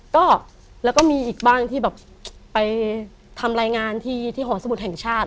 ก็แล้วก็มีอีกบ้างที่แบบไปทำรายงานที่หอสมุทรแห่งชาติ